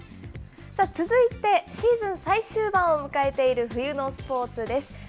続いて、シーズン最終盤を迎えている冬のスポーツです。